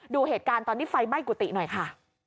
ดูเหตุการณ์ตอนที่ไฟไหม้กุฏิหน่อยค่ะ